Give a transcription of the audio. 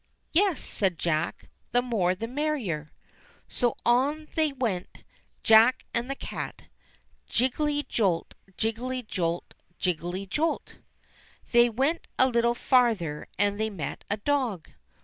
"Yes," said Jack, "the more the merrier." So on they went, Jack and the cat. Jiggelty jolt, jiggelty jolt, jiggehy jolt ! They went a Httle farther and they met a dog.